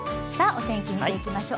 お天気見ていきましょう。